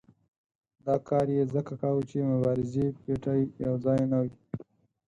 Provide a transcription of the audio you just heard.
دا کار یې ځکه کاوه چې مبارزې پېټی یو ځای نه وي.